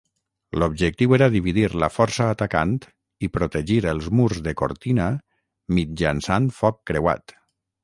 L'objectiu era dividir la força atacant i protegir els murs de cortina mitjançant foc creuat.